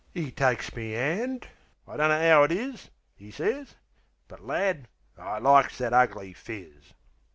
'E takes me 'and: "I dunno 'ow it is," 'E sez, "but, lad, I likes that ugly phiz."